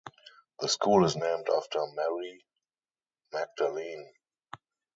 The school is named after Mary Magdalene.